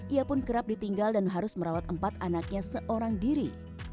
ia pun kerap ditinggal dan harus merawat empat anaknya seorang diri